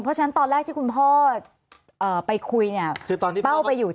เพราะฉะนั้นตอนแรกที่คุณพ่อไปคุยเนี่ย